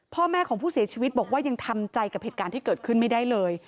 พ่อแม่ของผู้เสียชีวิตบอกว่ายังทำใจกับเหตุการณ์ที่เกิดขึ้นไม่ได้เลย